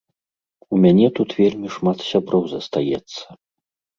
У мяне тут вельмі шмат сяброў застаецца.